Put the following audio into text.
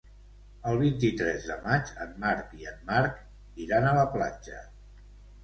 El vint-i-tres de maig en Marc i en Marc iran a la platja.